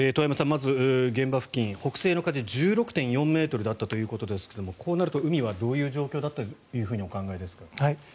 まず現場付近北西の風１６．４ｍだったということですがこうなると海はどういう状況だとお考えですか？